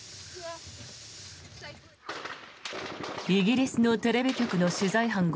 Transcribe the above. イギリスのテレビ局の取材班